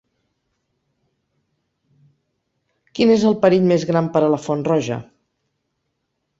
Quin és el perill més gran per a la Font Roja?